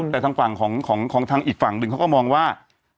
แต่ทางฝั่งของทางอีกฝั่งหนึ่งเขาก็มองว่า